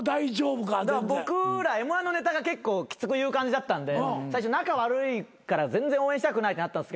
僕らＭ−１のネタが結構きつく言う感じだったんで最初仲悪いから全然応援したくないって。